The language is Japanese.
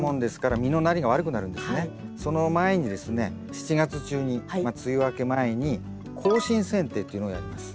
その前にですね７月中に梅雨明け前に更新剪定っていうのをやります。